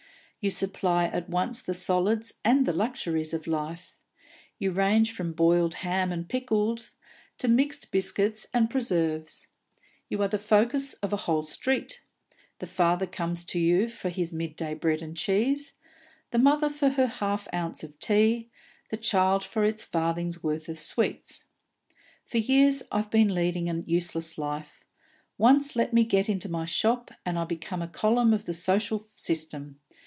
You supply at once the solids and the luxuries of life; you range from boiled ham and pickles to mixed biscuits and preserves. You are the focus of a whole street. The father comes to you for his mid day bread and cheese, the mother for her half ounce of tea, the child for its farthing's worth of sweets. For years I've been leading a useless life; once let me get into my shop, and I become a column of the social system.